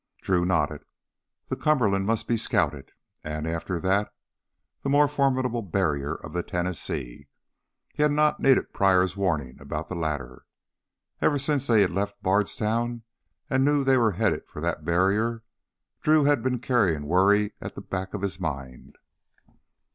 Drew nodded. The Cumberland must be scouted. And, after that, the more formidable barrier of the Tennessee. He had not needed Pryor's warning about the latter. Ever since they had left Bardstown and knew they were headed for that barrier, Drew had been carrying worry at the back of his mind.